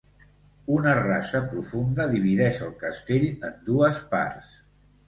Una rasa profunda divideix el castell en dues parts.